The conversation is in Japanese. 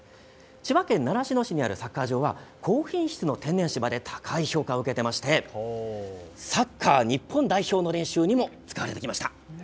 千葉県習志野市にあるサッカー場は高品質の天然芝で高い評価を受けていましてサッカー日本代表の練習にも使われてきました。